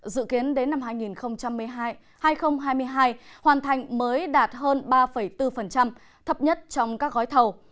dự kiến đến năm hai nghìn hai mươi hai hoàn thành mới đạt hơn ba bốn thấp nhất trong các gói thầu